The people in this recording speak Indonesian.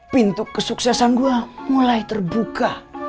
pintu kesuksesan gua mulai terbuka